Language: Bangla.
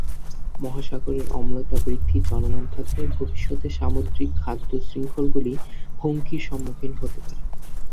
মহাসাগরের অম্লতা বৃদ্ধি চলমান থাকলে ভবিষ্যতে সামুদ্রিক খাদ্য-শৃঙ্খলগুলি হুমকির সম্মুখীন হতে পারে।